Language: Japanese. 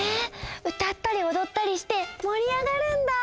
うたったりおどったりしてもり上がるんだ！